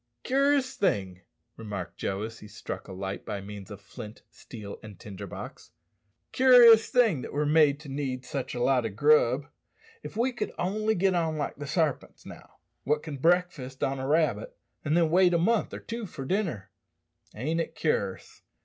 "Cur'ous thing," remarked Joe, as he struck a light by means of flint, steel, and tinder box "cur'ous thing that we're made to need sich a lot o' grub. If we could only get on like the sarpints, now, wot can breakfast on a rabbit, and then wait a month or two for dinner! Ain't it cur'ous?"